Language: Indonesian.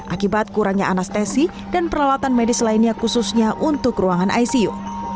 akibat kurangnya anestesi dan peralatan medis lainnya khususnya untuk ruangan icu